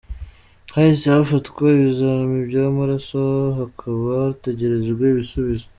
Hahise hafatwa ibizami by’amaraso hakaba hategerejwe ibisubizo.